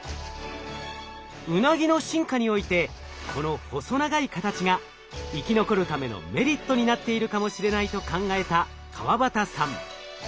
ウナギの進化においてこの細長い形が生き残るためのメリットになっているかもしれないと考えた河端さん。